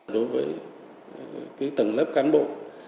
đối với cái tầng lớp cán bộ